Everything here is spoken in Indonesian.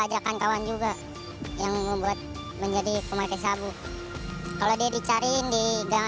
namun pengetahuan tersebut tidak menghalangi mereka untuk mencicipi narkoba